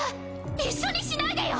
一緒にしないでよ！